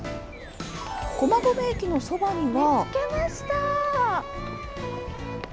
駒込駅のそばには。